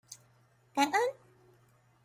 感恩！